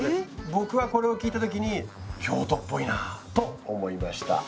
僕はこれを聞いた時に京都っぽいなあと思いました。